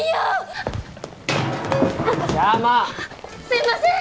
すいません！